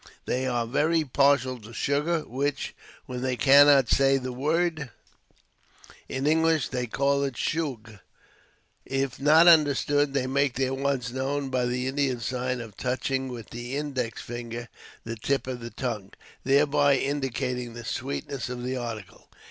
They are very partial to sugar, which, when they cannot say the word in English, they call "Shoog." If not understood, they make their wants known by the Indian sign of touching with the index finger the tip of the tongue, thereby indicating the sweetness of the article.